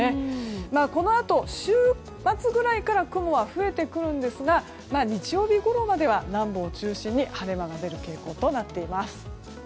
このあと週末ぐらいから雲が増えてくるんですが日曜日ごろまでは南部を中心に晴れ間が出る傾向となっています。